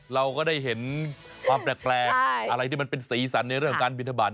เราก็ได้เห็นความแปลกอะไรที่มันเป็นสีสันในเรื่องการบินทบาท